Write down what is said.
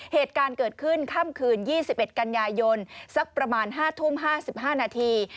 เหตุการณ์เกิดขึ้นค่ำคืน๒๑กันยายนสักประมาณ๕ทุ่ม๕๕นาที